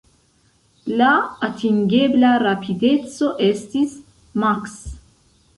La atingebla rapideco estis maks.